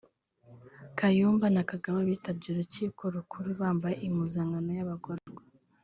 Kayumba na Kagabo bitabye Urukiko Rukuru bambaye impuzankano y’abagororwa